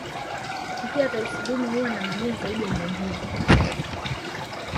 Mkia wa Tausi dume huwa na manyoa zaidi ya Mia mbili